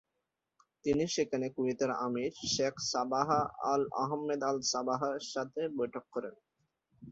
তিনি সেখানে কুয়েতের আমির, শেখ সাবাহ আল-আহমেদ আল-সাবাহ এর সাথে বৈঠক করেন।